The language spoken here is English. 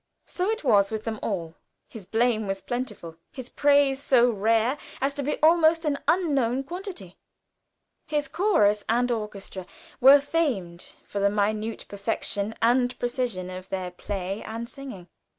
So it was with them all. His blame was plentiful; his praise so rare as to be almost an unknown quantity. His chorus and orchestra were famed for the minute perfection and precision of their play and singing.